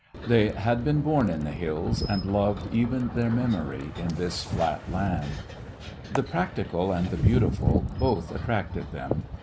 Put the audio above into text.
They had been bom in the hills and loved even their mem ory in this fiat land. The practical and the beautiful both attracted them.